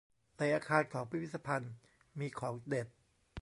ในอาคารพิพิธภัณฑ์มีของเด็ด